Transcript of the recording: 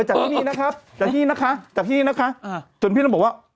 จากที่นี้นะครับจากที่นี้นะคะจากที่นี้นะคะอ่าจนพี่ต้องบอกว่าอ๋อ